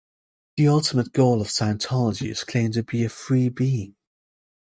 The ultimate goal of Scientology is claimed to be "a free being".